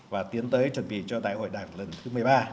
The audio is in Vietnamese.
và tiến tới chuẩn bị cho đại hội đảng lần thứ một mươi ba